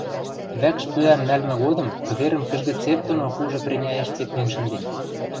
вӓкш пӱӓм нӓлмӹ годым кӹверӹм кӹжгӹ цеп доно кужы преняэш цеплен шӹнден.